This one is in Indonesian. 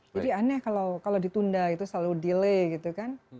jadi aneh kalau ditunda itu selalu delay gitu kan